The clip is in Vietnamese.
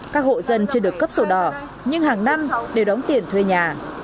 các hộ dân chưa được cấp sổ đỏ nhưng hàng năm đều đóng tiền thuê nhà